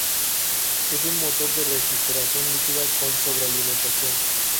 Es un motor de refrigeración líquida con sobrealimentación.